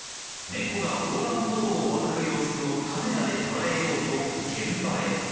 猫が横断歩道を渡る様子をカメラで捉えようと現場へ。